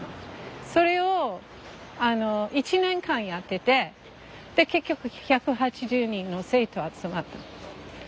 それを１年間やっててで結局１８０人の生徒集まった。